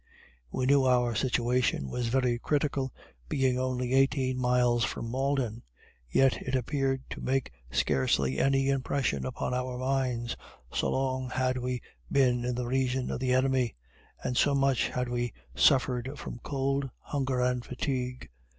We knew our situation was very critical, being only eighteen miles from Malden; yet it appeared to make scarcely any impression upon our minds, so long had we been in the region of the enemy, and so much had we suffered from cold, hunger, and fatigue.